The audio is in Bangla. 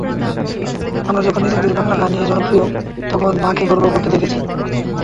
আমরা যখন নিজেদের বাংলা গান নিয়ে জনপ্রিয়, তখন মাকে গর্ব করতে দেখেছি।